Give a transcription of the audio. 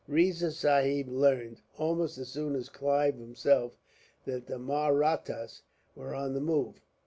Riza Sahib learned, almost as soon as Clive himself, that the Mahrattas were on the move.